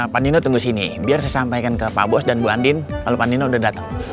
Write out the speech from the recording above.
pak nino tunggu sini biar saya sampaikan ke pak bos dan bu andin kalau pak nino udah datang